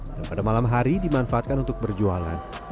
dan pada malam hari dimanfaatkan untuk berjualan